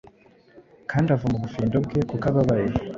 Kandi avuma ubufindo bwe kuko ababaye,